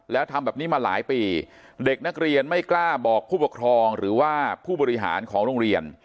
แล้วทำแบบนี้มาหลายปีเด็กนักเรียนไม่กล้าบอกผู้ปกครองหรือว่าผู้บริหารของโรงเรียน